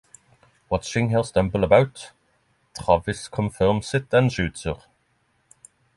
Watching her stumble about, Travis confirms it and shoots her.